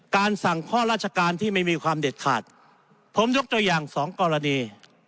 การสั่งข้อราชการที่ไม่มีความเด็ดขาดผมยกตัวอย่างสองกรณี